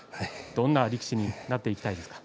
どんな力士になっていきたいですか。